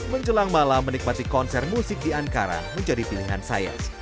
menjelang malam menikmati konser musik di ankara menjadi pilihan saya